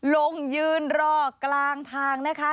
ลงยืนรอกลางทางนะคะ